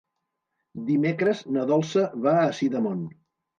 Dimecres na Dolça va a Sidamon.